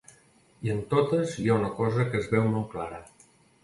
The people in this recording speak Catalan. I en totes hi ha una cosa que es veu molt clara.